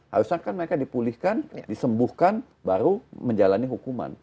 harusnya kan mereka dipulihkan disembuhkan baru menjalani hukuman